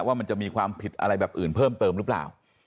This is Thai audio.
ว่ามันจะมีความผิดอะไรแบบอื่นเพิ่มเติมหรือเปล่า